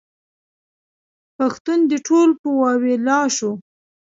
پښتون دې ټول په واویلا شو.